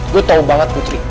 gue tahu banget putri